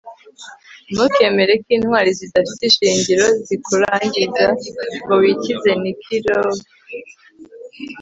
ntukemere ko intwari zidafite ishingiro zikurangaza ngo wikize - nikki rowe